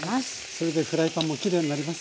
それでフライパンもきれいになりますね。